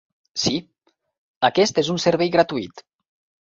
Sí, aquest és un servei gratuït.